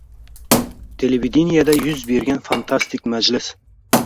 “Televideniyeda yuz bergan fantastik majlis”